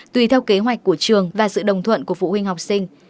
tùy theo kế hoạch của trường và sự đồng thuận của phụ huynh học sinh